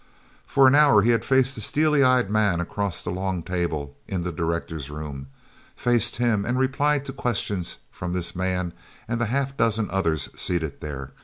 For an hour he had faced the steely eyed man across the long table in the Directors Room—faced him and replied to questions from this man and the half dozen others seated there.